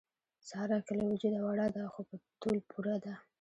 ساره که له وجوده وړه ده، خو په تول پوره ده.